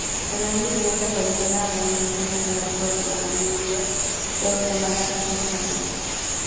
Al año siguiente apareció una organización nacional, Pro-Canadá Network, luego llamada Action Canada.